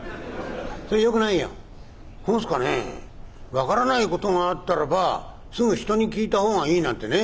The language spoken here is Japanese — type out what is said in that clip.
『分からないことがあったらばすぐ人に聞いた方がいい』なんてね